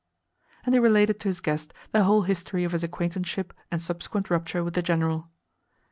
And he related to his guest the whole history of his acquaintanceship and subsequent rupture with the General.